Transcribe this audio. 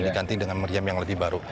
diganti dengan meriam yang lebih baru